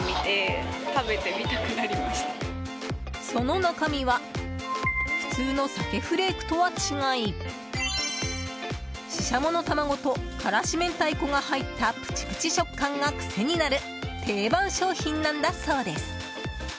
その中身は普通の鮭フレークとは違いシシャモの卵と辛子明太子が入ったプチプチ食感が癖になる定番商品なんだそうです。